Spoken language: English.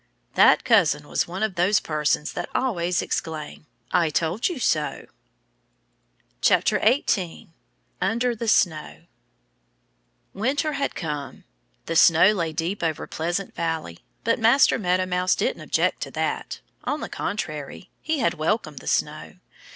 That cousin was one of those persons that always exclaim, "I told you so!" 18 Under the Snow WINTER had come. The snow lay deep over Pleasant Valley. But Master Meadow Mouse didn't object to that. On the contrary, he had welcomed the snow.